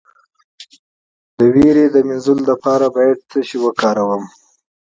د ویرې د مینځلو لپاره باید څه شی وکاروم؟